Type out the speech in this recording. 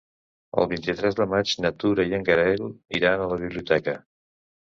El vint-i-tres de maig na Tura i en Gaël iran a la biblioteca.